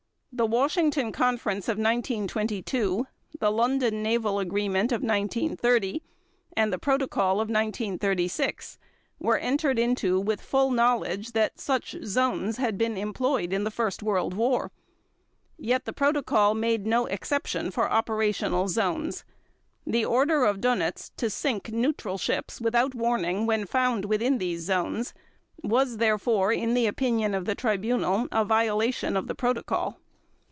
The Washington Conference of 1922, the London Naval Agreement of 1930, and the Protocol of 1936 were entered into with full knowledge that such zones had been employed in the first World War. Yet the Protocol made no exception for operational zones. The order of Dönitz to sink neutral ships without warning when found within these zones was therefore, in the opinion of the Tribunal, a violation of the Protocol.